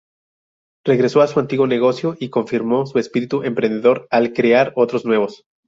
Regresó a su antiguo negocio y confirmó su espíritu emprendedor al crear otros nuevos.